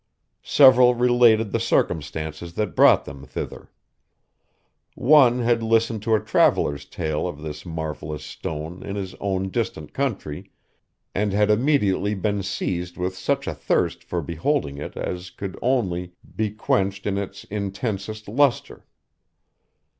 Several related the circumstances that brought them thither. One had listened to a traveller's tale of this marvellous stone in his own distant country, and had immediately been seized with such a thirst for beholding it as could only, be quenched in its intensest lustre.